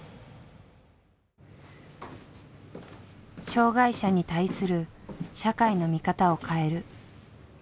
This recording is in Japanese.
障害者に対する社会の見方を変える。